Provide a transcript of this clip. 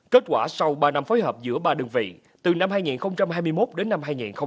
kết quả sau ba năm phối hợp giữa ba đơn vị từ năm hai nghìn hai mươi một đến năm hai nghìn hai mươi ba